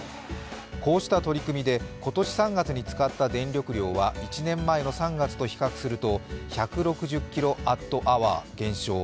こうした取り組みで今年３月に使った電力量は１年前の３月と比較すると１６０ｋＷｈ減少。